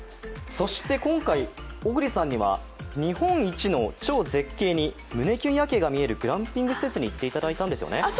今回、小栗さんには日本一の超絶景に胸キュン夜景が見えるグランピング施設に行っていただいたんですよね。